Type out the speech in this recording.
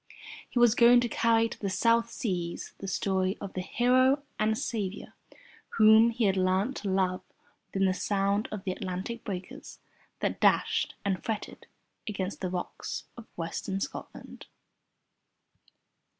He was going to carry to the South Seas the story of the Hero and Saviour Whom he had learnt to love within the sound of the Atlantic breakers that dashed and fretted against the rocks of Western Scotland.